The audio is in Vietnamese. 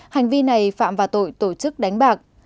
hành vi này phạm vào tội tổ chức đánh bạc